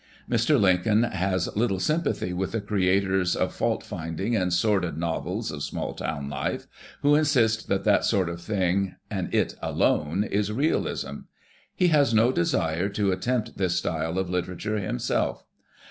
Mr. Lincoln has little sympathy with the creators of fault finding and sordid novels of small town life, who insist that that sort of thing, and it alone, is "realism." He has no desire to attempt this style of literature himself.